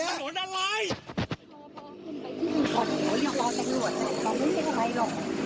เรียกต่อตำรวจก็อย่างไรหรอก